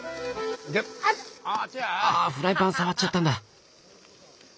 あフライパン触っちゃったんだ。